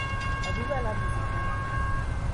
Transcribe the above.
A Viva la Musical!